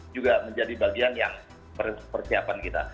juga menjadi bagian yang persiapan kita